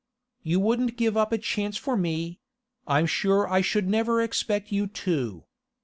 You wouldn't give up a chance for me; I'm sure I should never expect you to.